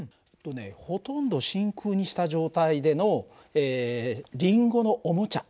ほとんど真空にした状態でのリンゴのおもちゃ